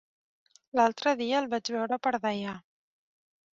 L'altre dia el vaig veure per Deià.